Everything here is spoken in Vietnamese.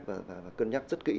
và cân nhắc rất kỹ